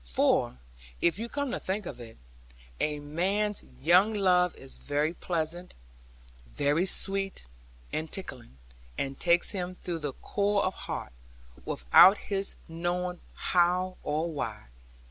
For (if you come to think of it) a man's young love is very pleasant, very sweet, and tickling; and takes him through the core of heart; without his knowing how or why.